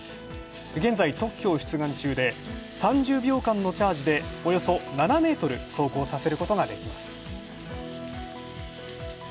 現在、特許を出願中で３０秒間のチャージで、およそ７ｍ走行させることができます。